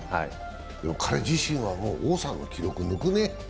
彼自身はもう王さんの記録抜くね。